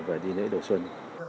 về đi lễ đầu xuân